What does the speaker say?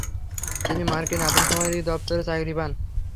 তিনি মার্কিন আদম শুমারি দফতরে চাকরি পান।